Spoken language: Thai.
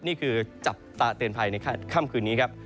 นี่คือจับตาเตรียมภัยในข้ามคืนนี้ครับ